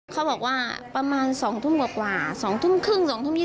เขาบอกว่าประมาณ๒ทุ่มกว่า๒ทุ่มครึ่ง๒ทุ่ม๒๐